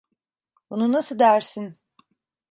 Bunu nasıl dersin?